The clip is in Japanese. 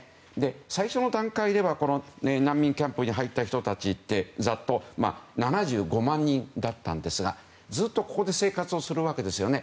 最初の段階では難民キャンプに入った人たちってざっと７５万人だったんですがずっとここで生活をするわけですよね。